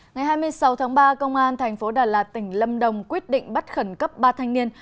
ngày hai mươi sáu tháng ba công an thành phố đà lạt tỉnh lâm đồng quyết định bắt khẩn cấp ba thanh niên